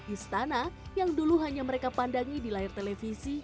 istana yang dulu hanya mereka pandangi di layar televisi